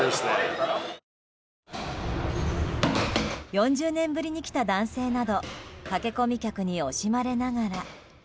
４０年ぶりに来た男性など駆け込み客に惜しまれながら。